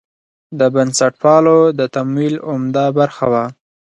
د بنسټپالو د تمویل عمده برخه وه.